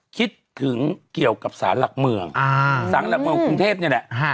คิดถึงเกี่ยวกับสารหลักเมืองสารหลักเมืองกรุงเทพนี่แหละ